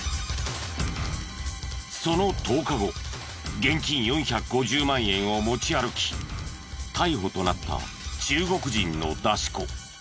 その１０日後現金４５０万円を持ち歩き逮捕となった中国人の出し子。